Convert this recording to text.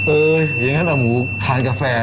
เอ้ยอย่างนั้นอ่าหมูทานกาแฟ